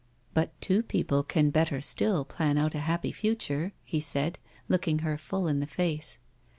"But two people can better still plan out a happy future," he said, looking her full in the face.